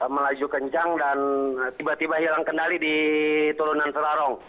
melaju kencang dan tiba tiba hilang kendali di turunan selarong